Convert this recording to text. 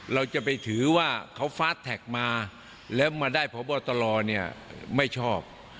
เราจะไปถือว่าเขามาแล้วมาได้เนี่ยไม่ชอบ